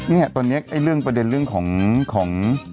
งี่อะตอนนี้ประเด็นเรื่องของ